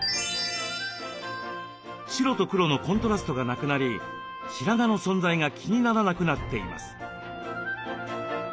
白と黒のコントラストがなくなり白髪の存在が気にならなくなっています。